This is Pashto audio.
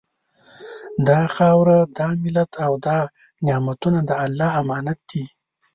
دا خاوره، دا ملت او دا نعمتونه د الله امانت دي